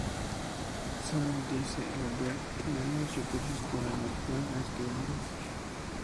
Sam dice "Lambert, ¿Tenemos recursos para evacuar a este hombre?